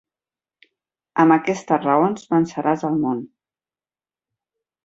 Amb aquestes raons venceràs el món.